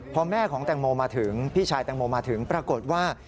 พอแม่ของแตงโมมาถึงพี่ชายแตงโมมาถึงปรากฏว่า